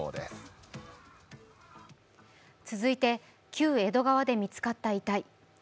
旧江戸川で見つかった遺体。